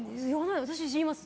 私、言います。